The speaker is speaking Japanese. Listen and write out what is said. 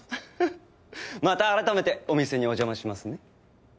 また改めてお店にお邪魔しますね。